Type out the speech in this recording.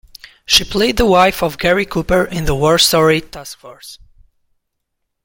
She played the wife of Gary Cooper in the war story "Task Force".